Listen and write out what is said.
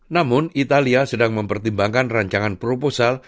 namun italia sedang mempertimbangkan rancangan proposal